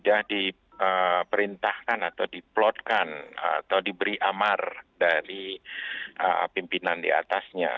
sudah diperintahkan atau diplotkan atau diberi amar dari pimpinan diatasnya